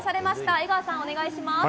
江川さん、お願いします。